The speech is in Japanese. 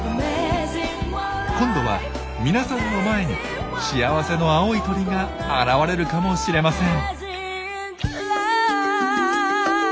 今度は皆さんの前に幸せの青い鳥が現れるかもしれません。